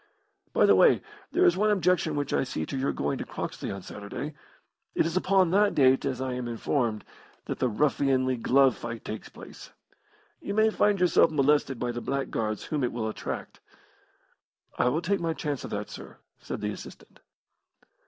By the way, there is one objection which I see to your going to Croxley on Saturday. It is upon that date, as I am informed, that that ruffianly glove fight takes place. You may find yourself molested by the blackguards whom it will attract." "I will take my chance of that, sir," said the assistant.